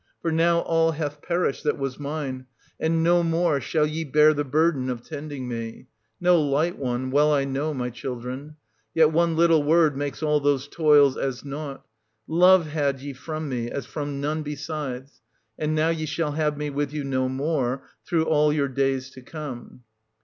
For now all hath perished that was mine, and no more shall ye bear the burden of tending me, — no light one, well I know, my children ; yet one little word makes all those toils as nought ; love had ye from me, as from none beside; and now ye shall have me with you no more, through all your days to come.'